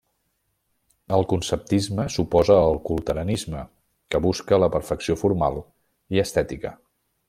El conceptisme s'oposa al culteranisme, que busca la perfecció formal i estètica.